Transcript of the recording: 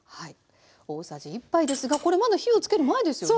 大さじ１杯ですがこれまだ火をつける前ですよね。